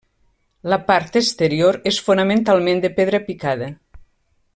La part exterior és fonamentalment de pedra picada.